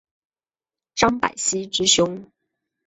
张百熙之兄。